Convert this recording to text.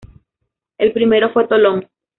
El primero fue Tolón.